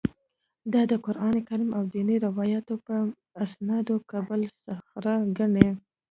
دا د قران کریم او دیني روایتونو په استناد قبه الصخره ګڼي.